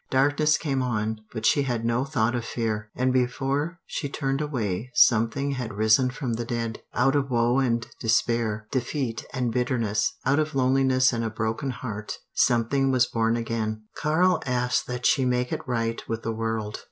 Darkness came on, but she had no thought of fear. And before she turned away something had risen from the dead. Out of woe and despair, defeat and bitterness, out of loneliness and a broken heart, something was born again. Karl asked that she make it right with the world.